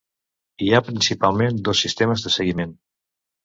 Hi ha principalment dos sistemes de seguiment.